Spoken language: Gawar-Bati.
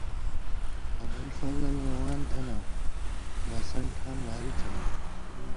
ابُوالفضل روان تھنہ ، بَسن ٹھان واری تھنہ